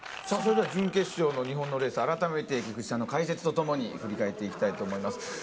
それでは準決勝の日本のレースを菊池さんの解説と共に振り返っていきたいと思います。